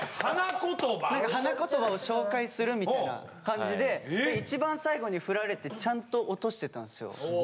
何か花言葉を紹介するみたいな感じで一番最後に振られてちゃんと落としてたんすよ。